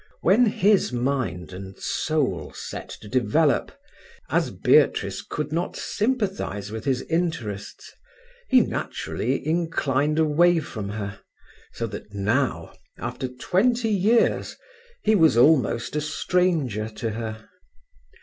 When his mind and soul set to develop, as Beatrice could not sympathize with his interests, he naturally inclined away from her, so that now, after twenty years, he was almost a stranger to her.